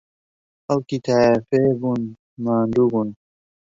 خەڵکی تاییفێ بوون، ماندوو بوون